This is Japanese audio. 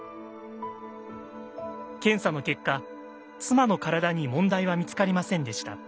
検査の結果妻の体に問題は見つかりませんでした。